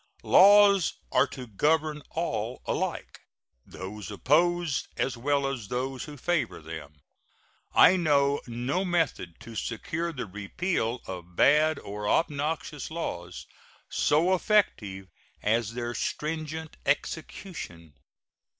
Laws are to govern all alike those opposed as well as those who favor them. I know no method to secure the repeal of bad or obnoxious laws so effective as their stringent execution.